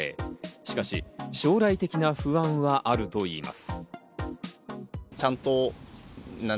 しかし将来的な不安はあるといいます。